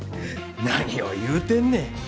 何を言うてんねん。